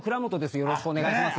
よろしくお願いします。